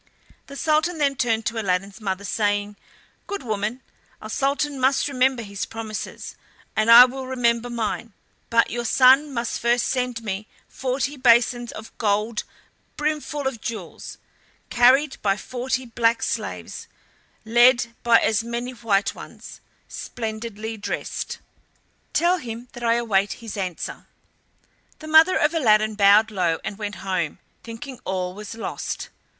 The Sultan than turned to Aladdin's mother, saying: "Good woman, a sultan must remember his promises, and I will remember mine, but your son must first send me forty basins of gold brimful of jewels, carried by forty black slaves, led by as many white ones, splendidly dressed. Tell him that I await his answer." The mother of Aladdin bowed low and went home, thinking all was lost.